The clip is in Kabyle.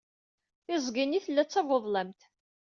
Tiẓgi-nni tella d tabuḍḍlamt.